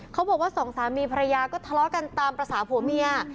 เขาบอกว่าสองสามีภรรยาก็ทะเลาะกันตามภาษาผัวเมีย